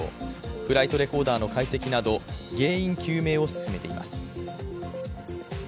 フライトレコーダーの解析など、原因究明を進めています。